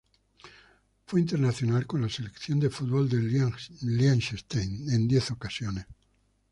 Fue internacional con la Selección de fútbol de Liechtenstein en diez ocasiones.